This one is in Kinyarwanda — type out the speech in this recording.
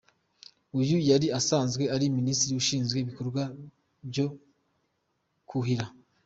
Uyu yari asanzwe ari Minisitiri ushinzwe ibikorwa byo kuhira.